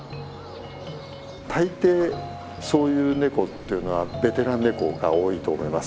大抵そういうネコっていうのはベテランネコが多いと思います